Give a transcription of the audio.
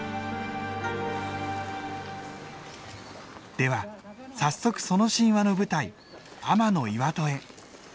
では早速その神話の舞台天岩戸へ。